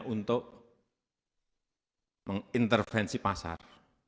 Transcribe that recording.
untuk mengintervensi pasar